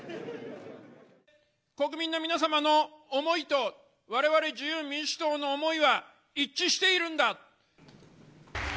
国民の皆様の思いと、われわれ自由民主党の思いは一致しているんだ。